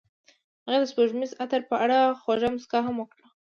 هغې د سپوږمیز عطر په اړه خوږه موسکا هم وکړه.